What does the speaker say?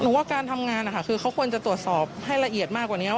ว่าการทำงานนะคะคือเขาควรจะตรวจสอบให้ละเอียดมากกว่านี้